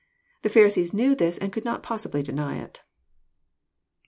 The Pharisees knew this, and conld not possibly deny it.